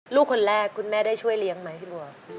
ลูกคนแรกคุณแม่ได้ช่วยเลี้ยงไหมพี่บัว